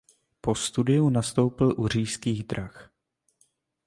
Po studiu nastoupil u Říšských drah.